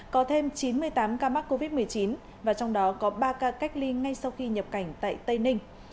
có thêm chín mươi tám ca mắc covid một mươi chín và trong đó có ba ca cách ly ngay sau khi nhập cảnh tại tây ninh